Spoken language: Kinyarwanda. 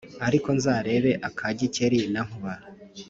ariko nzarebe aka Gikeli na Nkuba.